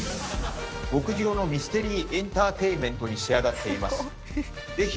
極上のミステリーエンターテイメントに仕上がっています。